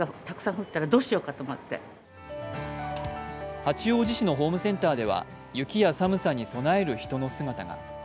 八王子市のホームセンターでは雪や寒さに備える人が。